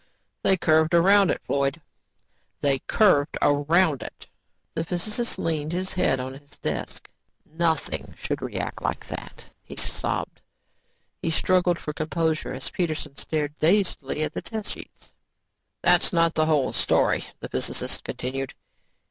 "They curved around it, Floyd. They curved around it." The physicist leaned his head on the desk. "Nothing should react like that," he sobbed. He struggled for composure as Peterson stared dazedly at the test sheets. "That's not the whole story," the physicist continued.